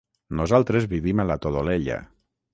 Nosaltres vivim a la Todolella.